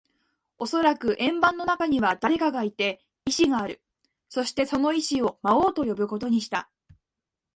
おそらく円盤の中には誰かがいて、意志がある。そして、その意思を魔王と呼ぶことにした。